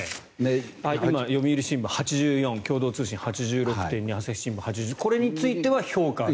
今、読売新聞、８４共同通信、８６．２朝日新聞８１％これについては評価が高い。